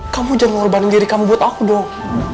kamu jangan mengorban diri kamu buat aku dong